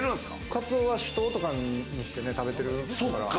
カツオは酒盗とかにして食べてるから。